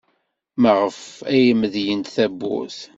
Maɣef ay medlen tawwurt?